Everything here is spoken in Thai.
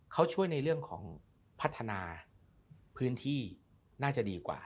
เขาช่วยในเรื่องของพัฒนาพื้นที่น่าจะดีกว่า